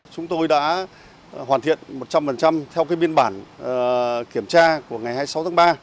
chúng tôi đã hoàn thiện một trăm linh theo biên bản kiểm tra của ngày hai mươi sáu tháng ba